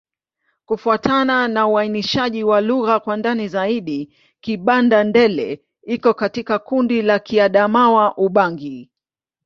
Kufuatana na uainishaji wa lugha kwa ndani zaidi, Kibanda-Ndele iko katika kundi la Kiadamawa-Ubangi.